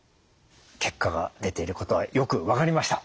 結果が出ていることはよく分かりました。